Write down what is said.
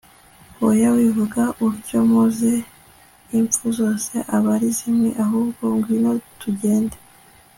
hoya wivuga utyo muze! imfu zose aba ari zimwe, ahubwo ngwino tugende